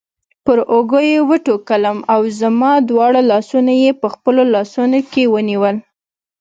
پر اوږه یې وټکولم او زما دواړه لاسونه یې په خپلو لاسونو کې ونیول.